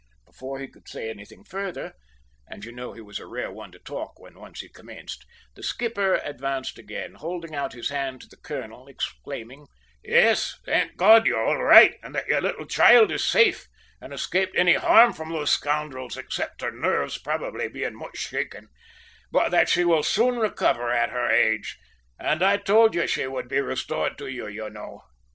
Before he could say anything further, and you know he was a rare one to talk when once he commenced, the skipper advanced again, holding out his hand to the colonel exclaiming "Yes, thank God you are all right and that your little child is safe, and escaped any harm from those scoundrels, except her nerves probably being much shaken, but that she will soon recover at her age and I told you she should be restored to you, you know.